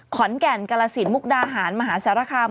ขอนแก่นกรสินมุกดาหารมหาสารคาม